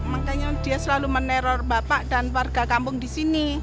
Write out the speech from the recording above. makanya dia selalu meneror bapak dan warga kampung disini